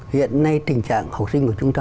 hiện nay tình trạng học sinh của chúng ta